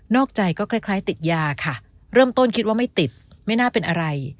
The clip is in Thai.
อกใจก็คล้ายติดยาค่ะเริ่มต้นคิดว่าไม่ติดไม่น่าเป็นอะไร